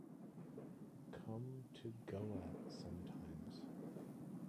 Come to Goa sometimes.